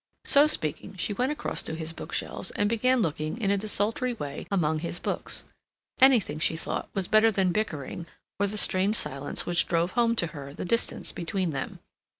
So speaking, she went across to his bookshelves and began looking in a desultory way among his books. Anything, she thought, was better than bickering or the strange silence which drove home to her the distance between them.